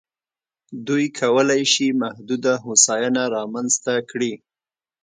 دوی کولای شي محدوده هوساینه رامنځته کړي.